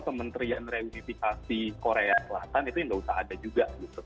kementerian reunifikasi korea selatan itu nggak usah ada juga